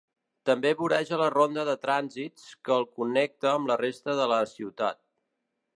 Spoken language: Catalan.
També voreja la ronda de trànsits, que el connecta amb la resta de la ciutat.